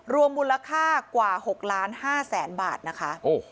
รวมมูลค่ากว่า๖๕๐๐๐๐๐บาทนะคะ